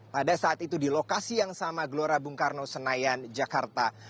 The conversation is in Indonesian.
pada saat itu di lokasi yang sama gelora bung karno senayan jakarta